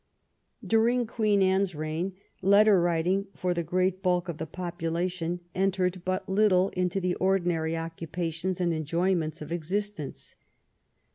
During Queen Anne's reign letter writing for the great bulk of the population entered but little into the ordinary occupations and enjoyments of existence.